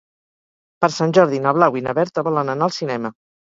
Per Sant Jordi na Blau i na Berta volen anar al cinema.